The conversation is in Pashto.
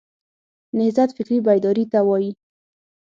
نهضت فکري بیداري ته وایي.